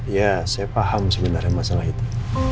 ya saya paham sebenarnya masalah itu